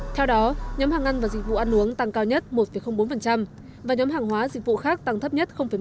theo đó nhóm hàng ăn và dịch vụ ăn uống tăng cao nhất một bốn và nhóm hàng hóa dịch vụ khác tăng thấp nhất một